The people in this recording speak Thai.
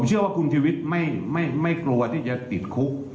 ผมเชื่อว่าคุณชูวิทย์ไม่กลัวจะติดคุก